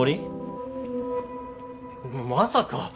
まさか。